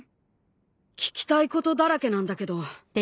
聞きたいことだらけなんだけど。